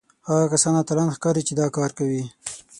هغه کسان اتلان ښکارېږي چې دا کار کوي